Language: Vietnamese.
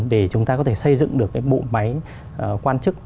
để chúng ta có thể xây dựng được cái bộ máy quan chức